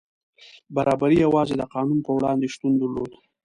برابري یوازې د قانون په وړاندې شتون درلود.